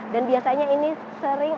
dan biasanya ini sering